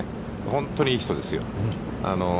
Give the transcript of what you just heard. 本当にいい人ですよ。